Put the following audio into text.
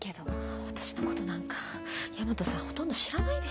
私のことなんか大和さんほとんど知らないでしょ。